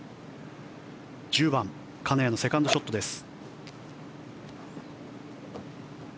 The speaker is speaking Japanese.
１０番金谷のセカンドショットです。